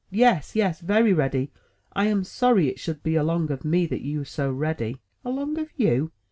"Yes, yes, very ready. I am sorry it should be along of me that you're so ready." "Along o' you.